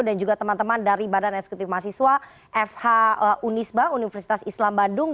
dan juga teman teman dari badan eksekutif mahasiswa fh unisba universitas islam bandung